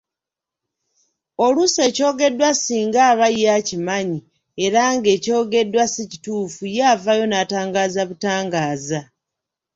Oluusi ekyogeddwa singa aba ye akimanyi era ng’ekyogeddwa si kituufu, ye avaayo n’atangaaza butangaaza.